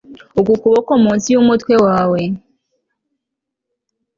uku kuboko munsi yumutwe wawe